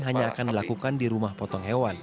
hanya akan dilakukan di rumah potong hewan